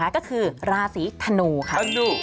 ก็คือราศีธนูค่ะ